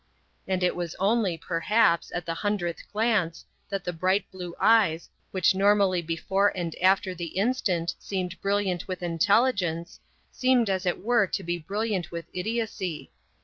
And it was only, perhaps, at the hundredth glance that the bright blue eyes, which normally before and after the instant seemed brilliant with intelligence, seemed as it were to be brilliant with idiocy.